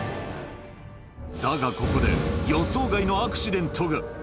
だがここで、予想外のアクシデントが。